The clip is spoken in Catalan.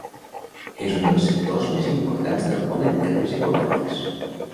És un dels sectors més importants del món en termes econòmics.